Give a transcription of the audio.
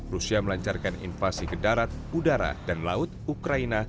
rusia melancarkan invasi ke darat udara dan laut ukraina